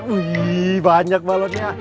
wih banyak balonnya